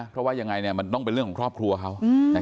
เพราะว่ายังไงมันต้องเป็นเรื่องของครอบครัวเขา